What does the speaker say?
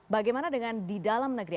bagaimana dengan di dalam negeri